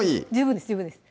十分です